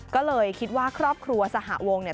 ก็เลยคิดว่าครอบครัวสหาวงศ์